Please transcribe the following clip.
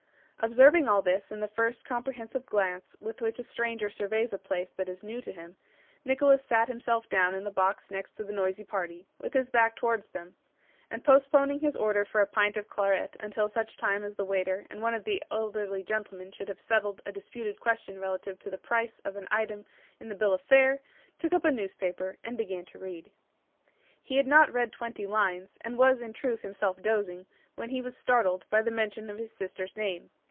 Observing all this in the first comprehensive glance with which a stranger surveys a place that is new to him, Nicholas sat himself down in the box next to the noisy party, with his back towards them, and postponing his order for a pint of claret until such time as the waiter and one of the elderly gentlemen should have settled a disputed question relative to the price of an item in the bill of fare, took up a newspaper and began to read. He had not read twenty lines, and was in truth himself dozing, when he was startled by the mention of his sister's name.